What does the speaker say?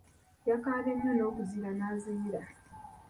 Yakaabye nnyo n'okuziyira n'aziyira.